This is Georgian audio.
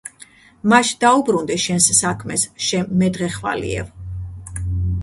მაშ, დაუბრუნდი შენს საქმეს, შე მედღეხვალიევ!